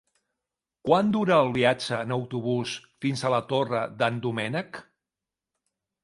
Quant dura el viatge en autobús fins a la Torre d'en Doménec?